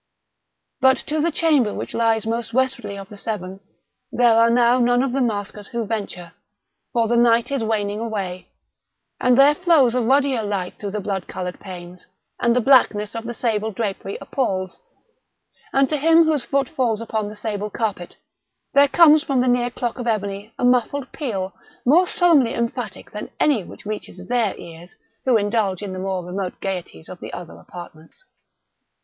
But to the chamber which lies most westwardly of the seven, there are now none of the maskers who venture; for the night is waning away; and there flows a ruddier light through the blood colored panes; and the blackness of the sable drapery appals; and to him whose foot falls upon the sable carpet, there comes from the near clock of ebony a muffled peal more solemnly emphatic than any which reaches their ears who indulge in the more remote gaieties of the other apartments.